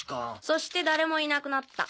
『そして誰もいなくなった』。